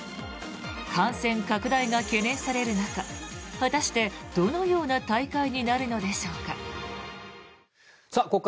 感染拡大が懸念される中果たしてどのような大会になるのでしょうか。